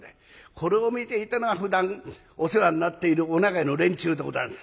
これを見ていたのはふだんお世話になっているお長屋の連中でございます。